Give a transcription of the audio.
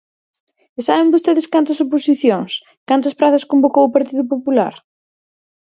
¿E saben vostedes cantas oposicións, cantas prazas convocou o Partido Popular?